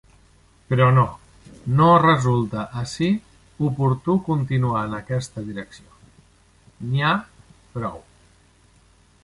Però no... No resulta ací oportú continuar en aquesta direcció: n’hi ha prou.